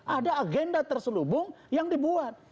ada agenda terselubung yang dibuat